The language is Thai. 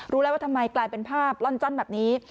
รู้แล้วว่าทำไมกลายเป็นภาพล่อนจ้อนแบบนี้